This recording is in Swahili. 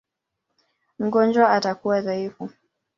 Mgonjwa atakuwa dhaifu.